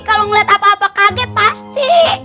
kalau ngeliat apa apa kaget pasti